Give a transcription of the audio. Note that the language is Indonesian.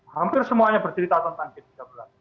hampir semuanya bercerita tentang g tiga bulan